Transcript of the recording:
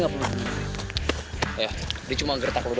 gak usah dengerin gue